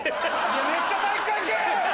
めっちゃ体育会系！